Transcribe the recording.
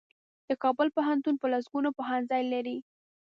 د کابل پوهنتون په لسګونو پوهنځۍ لري.